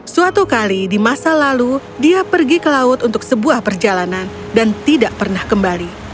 suatu kali di masa lalu dia pergi ke laut untuk sebuah perjalanan dan tidak pernah kembali